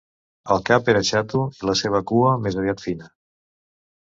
El cap era xato i la seva cua més aviat fina.